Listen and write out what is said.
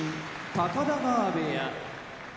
高田川部屋